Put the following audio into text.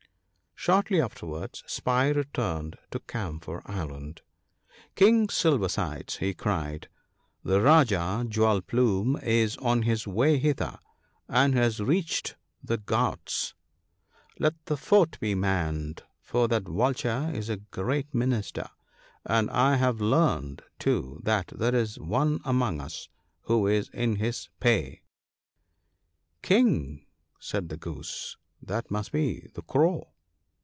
Shortly afterwards the Spy returned to Camphor island. " King Silver sides," he cried, " the Rajah, Jewel plume, is on his way hither, and has reached the Ghauts ( 8H ). Let the fort be manned, for that Vulture is a great minister ; and I have learned, too, that there is one among us who is in his pay." " King !" said the Goose, " that must be the Crow."